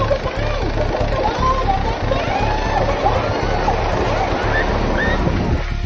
จะได้ติดตามบรรยากรอบของพวกมัน